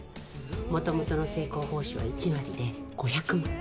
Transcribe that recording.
もともとの成功報酬は１割で５００万。